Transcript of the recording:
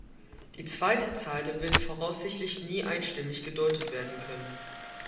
Die zweite Zeile wird voraussichtlich nie einstimmig gedeutet werden können.